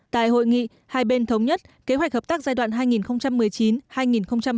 tại hội nghị hai bên thống nhất kế hoạch hợp tác giai đoạn hai nghìn một mươi chín hai nghìn hai mươi